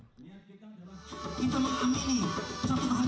kita mengamini satu kehancuran